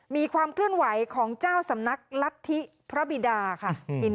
มีความเคลื่อนไหวของเจ้าสำนักรัฐธิพระบิดาค่ะ